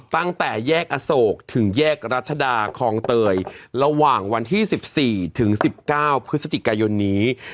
ตั้งแต่แยกอโศกถึงแยกรัชดาคลองเตยระหว่างวันที่๑๔ถึง๑๙พฤศจิกายนนี้